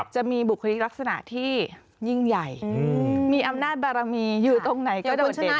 จะมีบุคลิกลักษณะที่ยิ่งใหญ่มีอำนาจบารมีอยู่ตรงไหนก็โดดเด่น